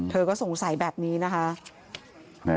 เธอก็สงสัยแบบนี้นะคะ